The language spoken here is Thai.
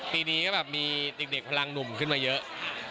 ปีนี้ก็แบบมีเด็กพลังหนุ่มขึ้นมาเยอะ